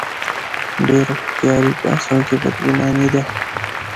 ډېره هوښیاري په اصل کې بد ګماني ده.